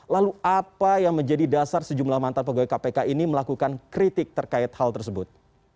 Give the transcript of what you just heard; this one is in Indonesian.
lalu apa yang menjadi dasar sejumlah mantan pegawai kpk ini melakukan kritik terkait hal tersebut